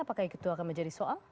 apakah itu akan menjadi soal